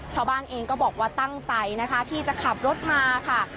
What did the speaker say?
ชาวบ้านเองก็บอกว่าตั้งใจนะคะที่จะขับรถมาค่ะ